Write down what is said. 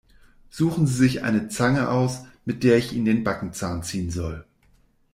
Suchen Sie sich eine Zange aus, mit der ich Ihnen den Backenzahn ziehen soll!